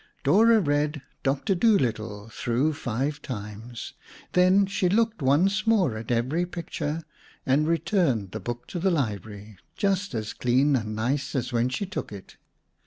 Dora read "Doctor Dolittle" through five times. Then she looked once more at every picture and returned the book to the library, just as clean and nice as when she took it.